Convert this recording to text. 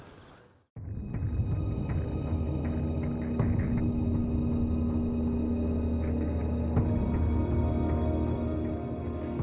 nguyễn thị hạc